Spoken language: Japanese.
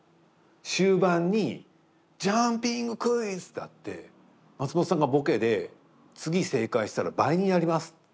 終盤に「ジャンピングクイズ！」ってあって松本さんがボケで「次正解したら倍になります」。